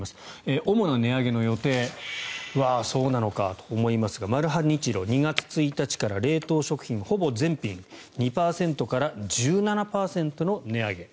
主な値上げの予定わあ、そうなのかと思いますがマルハニチロ２月１日から冷凍食品ほぼ全品２％から１７％の値上げ。